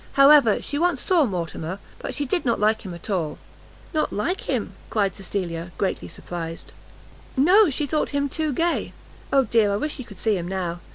However, she once saw Mortimer, but she did not like him at all." "Not like him!" cried Cecilia, greatly surprised. "No, she thought him too gay, Oh dear, I wish she could see him now!